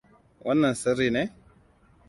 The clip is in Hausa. Wannan sirri ne?